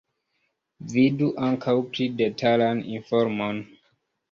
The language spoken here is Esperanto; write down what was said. Vidu ankaŭ pli detalan informon.